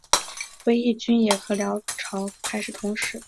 归义军也和辽朝开始通使。